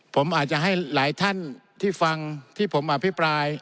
ผมอาจจะให้หลายท่านที่ฟังที่ผมอภิปราย